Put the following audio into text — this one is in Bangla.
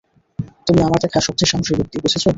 তুমি আমার দেখা সবচেয়ে সাহসী ব্যাক্তি, বুঝেছ?